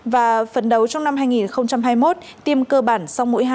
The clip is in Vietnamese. và phần đầu trong năm hai nghìn hai mươi một tiêm cơ bản sau mũi hai